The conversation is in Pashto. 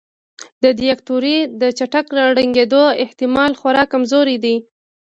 د دیکتاتورۍ د چټک ړنګیدو احتمال خورا کمزوری دی.